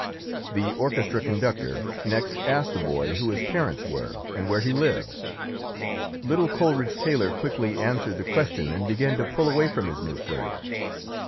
The orchestra conductor next asked the boy who his parents were and where he lived. Little Coleridge Taylor quickly answered the question and began to pull away from his new friend.